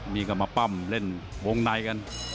นี่ก็มาปั้มเล่นวงในกัน